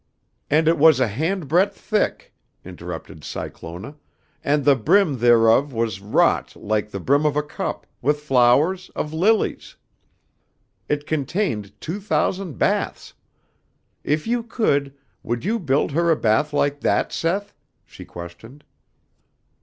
"And it was an hand breadth thick," interrupted Cyclona, "and the brim thereof was wrought like the brim of a cup, with flowers, of lilies; it contained two thousand baths. If you could, would you build her a bath like that, Seth?" she questioned.